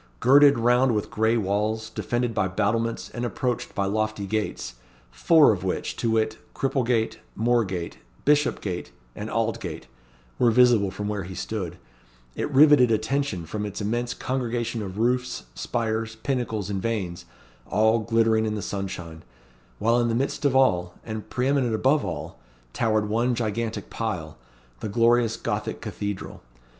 Girded round with gray walls, defended by battlements, and approached by lofty gates, four of which to wit, Cripplegate, Moorgate, Bishopgate, and Aldgate were visible from where he stood; it riveted attention from its immense congregation of roofs, spires, pinnacles, and vanes, all glittering in the sunshine; while in the midst of all, and pre eminent above all, towered one gigantic pile the glorious Gothic cathedral.